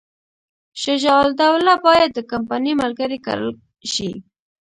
شجاع الدوله باید د کمپنۍ ملګری کړل شي.